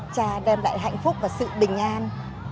trả đem lại hạnh phúc và sự bình an